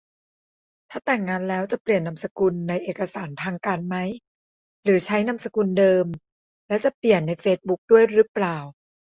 ถ้าแต่งงานแล้วจะเปลี่ยนนามสกุลในเอกสารทางการไหม หรือใช้นามสกุลเดิม และจะเปลี่ยนในเฟซบุ๊กด้วยรึเปล่า